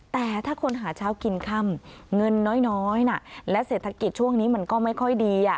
แต่ถ้าคนหาเช้ากินค่ำเงินน้อยและเศรษฐกิจช่วงนี้มันก็ไม่ค่อยดี